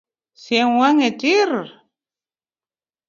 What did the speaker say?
Siem wang’e tir